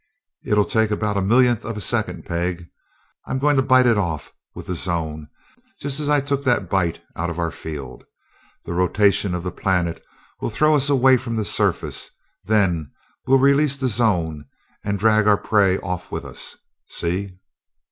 "It'll take about a millionth of a second, Peg. I'm going to bite it off with the zone, just as I took that bite out of our field. The rotation of the planet will throw us away from the surface, then we'll release the zone and drag our prey off with us. See?"